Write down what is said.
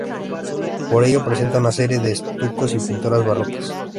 Por ello presenta una serie de estucos y pinturas barrocas.